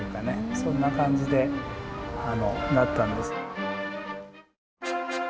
そんな感じだったんです。